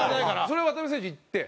それを渡邊選手いって。